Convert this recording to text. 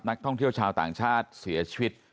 นักท่องเที่ยวชาวต่างชาติเสียชีวิต